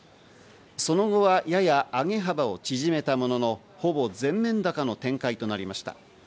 その後は、やや上げ幅を縮めたもののほぼ全面高の展開となりました。